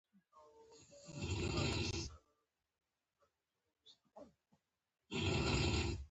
خور د کور هر غړي ته ځانګړې مینه لري.